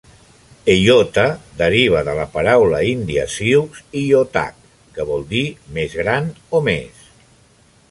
Eyota deriva de la paraula índia sioux "iyotak", que vol dir "més gran" o "més".